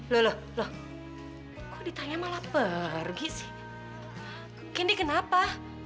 lho lho lho kok ditanya malah pergi sih kendi kenapa